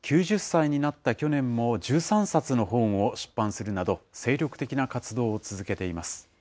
９０歳になった去年も、１３冊の本を出版するなど、精力的な活動を続けています。